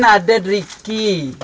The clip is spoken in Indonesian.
saya tidak tahu apa yang terjadi